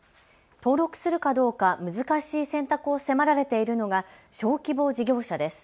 登録するかどうか難しい選択を迫られているのが小規模事業者です。